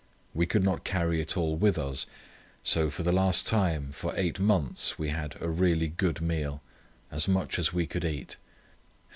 We could not carry it all with us, so for the last time for eight months we had a really good meal—as much as we could eat.